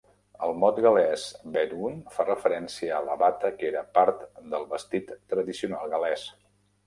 El mot gal·lès "betgwn" fa referència a la bata que era part del vestit tradicional gal·lès.